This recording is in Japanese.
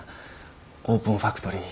オープンファクトリー。